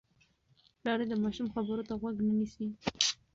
پلار یې د ماشوم خبرو ته غوږ نه نیسي.